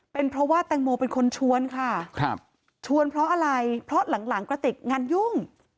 เป็นเพราะว่าแตงโมเป็นคนชวนค่ะครับชวนเพราะอะไรเพราะหลังกระติกงานยุ่ง